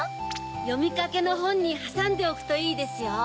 よみかけのほんにはさんでおくといいですよ。